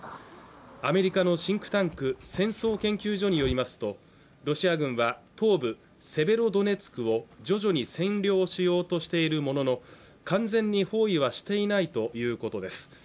アメリカのシンクタンク戦争研究所によりますとロシア軍は東部セベロドネツクを徐々に占領しようとしているものの完全に包囲はしていないということです